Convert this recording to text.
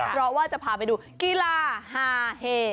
เพราะว่าจะพาไปดูกีฬาฮาเฮ